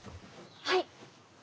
はい。